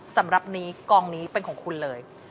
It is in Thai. สำหรับนี้กองนี้เป็นของคุณเลย